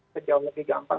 sejauh lebih gampang